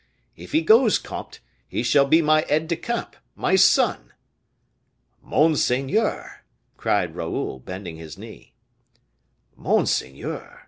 If he goes, comte, he shall be my aide de camp, my son." "Monseigneur!" cried Raoul, bending his knee. "Monseigneur!"